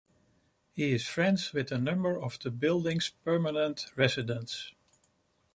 He is friends with a number of the building's permanent residents.